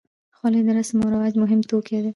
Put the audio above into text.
خولۍ د رسم و رواج مهم توک دی.